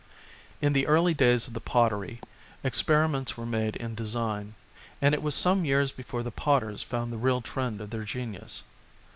In the early days of the pottery experiments were made in design, and it was some years before the potters foimd the real trend of their genius.